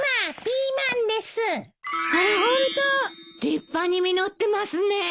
立派に実ってますね。